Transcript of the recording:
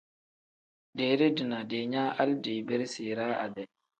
Deere dina diinyaa hali dibirisi iraa ade.